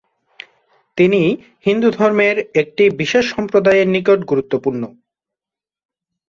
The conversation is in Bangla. তিনি হিন্দু ধর্মের একটি বিশেষ সম্প্রদায়ের নিকট গুরুত্বপূর্ণ।